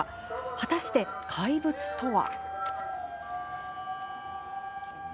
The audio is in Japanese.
果たして、怪物とは？